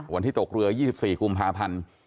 วันที่ตกเรือ๒๔กุมภาพันธ์